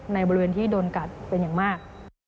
ในบริเวณที่โดนกัดเป็นอย่างมาก